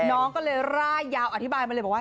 น้องก็เลยร่ายยาวอธิบายมาเลยบอกว่า